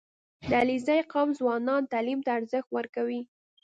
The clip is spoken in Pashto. • د علیزي قوم ځوانان تعلیم ته ارزښت ورکوي.